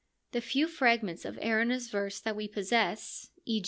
The few fragments of Erinna's verse that we possess, e.